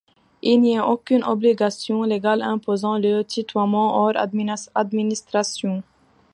Il n'y eut aucune obligation légale imposant le tutoiement hors administration.